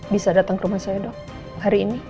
bisa datang ke rumah saya dok hari ini